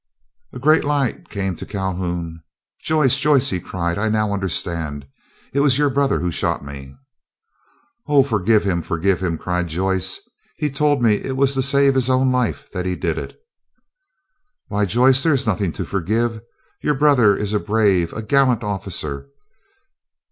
A great light came to Calhoun. "Joyce! Joyce!" he cried, "I now understand. It was your brother who shot me." "Oh! forgive him! forgive him!" cried Joyce. "He told me it was to save his own life that he did it." "Why, Joyce, there is nothing to forgive. Your brother is a brave, a gallant officer.